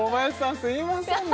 すいませんね